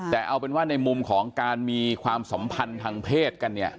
แต่เอาเป็นว่าในมุมของการมีความสัมพันธ์ทางเพศกันเนี่ย